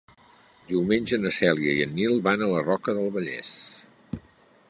Diumenge na Cèlia i en Nil van a la Roca del Vallès.